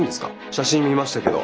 写真見ましたけど。